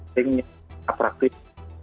yang tidak praktis